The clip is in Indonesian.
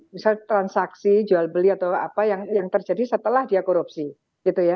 misal transaksi jual beli atau apa yang terjadi setelah dia korupsi